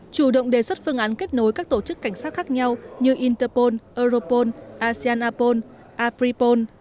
chủ động đề xuất phương án kết nối các tổ chức cảnh sát khác nhau như interpol europol asean apol apripol